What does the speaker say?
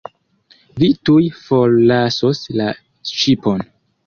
Vi tuj forlasos la ŝipon.